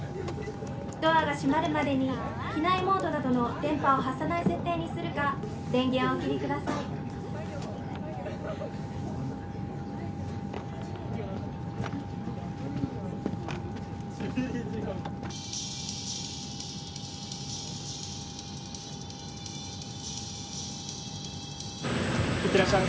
「ドアが閉まるまでに機内モードなどの電波を発さない設定にするか電源をお切りください」いってらっしゃい。